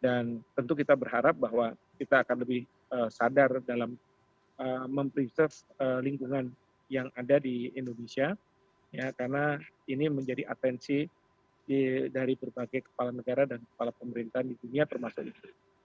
dan tentu kita berharap bahwa kita akan lebih sadar dalam mempreserve lingkungan yang ada di indonesia karena ini menjadi atensi dari berbagai kepala negara dan kepala pemerintahan di dunia termasuk indonesia